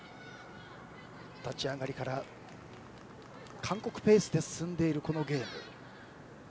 立ち上がりから韓国ペースで進んでいるゲーム。